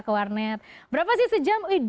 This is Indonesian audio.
ke warnet berapa sih sejam